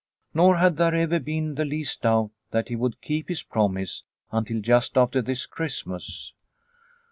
Nor had there ever been the least doubt that he would keep his promise until just after this Christmas.